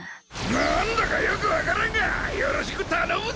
なんだかよく分からんがよろしく頼むぜ！